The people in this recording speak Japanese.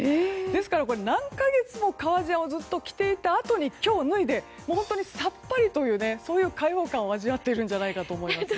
ですから、何か月も革ジャンをずっと着ていたあとに今日脱いで本当にさっぱりというそういう解放感を味わっているんじゃないかと思います。